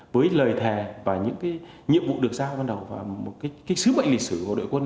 với lời thề và những cái nhiệm vụ được giao ban đầu và một cái sứ mệnh lịch sử của đội quân